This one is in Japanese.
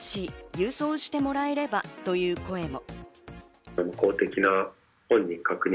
郵送してもらえればという声も。